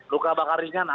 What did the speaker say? luka bakar ringan ada itu